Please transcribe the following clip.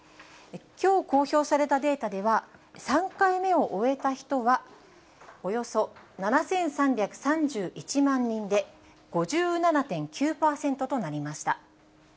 きょう公表されたデータでは、３回目を終えた人はおよそ７３３１万人で、５７．９％となりました。